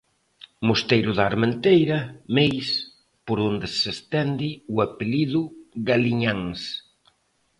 Mosteiro da Armenteira, Meis, por onde se estende o apelido Galiñáns.